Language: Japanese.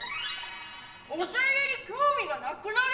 おしゃ家に興味がなくなる！？